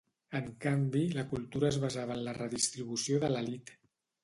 En canvi, la cultura es basava en la redistribució de l'elit.